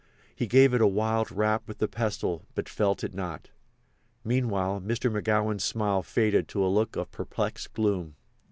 He gave it a wild rap with the pestle, but felt it not. Meanwhile Mr. McGowan's smile faded to a look of perplexed gloom.